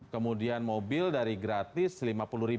kemudian mobil dari gratis rp lima puluh